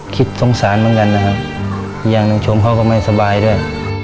คิดสงสารเหมือนกันนะครับอีกอย่างหนึ่งชมเขาก็ไม่สบายด้วย